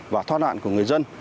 và thoát nạn của người dân